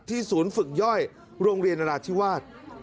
ศูนย์ฝึกย่อยโรงเรียนนราธิวาส